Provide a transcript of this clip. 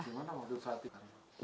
gimana menurut saat itu